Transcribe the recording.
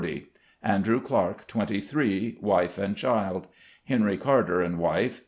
Andrew Clark, 23, wife and child. Henry Carter, and wife.